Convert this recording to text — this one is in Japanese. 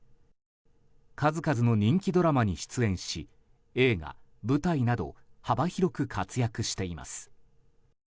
数々の人気ドラマに出演し映画、舞台など幅広く活躍しています。